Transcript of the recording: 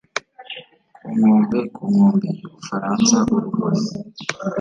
Ku nkombe ku nkombe yUbufaransa urumuri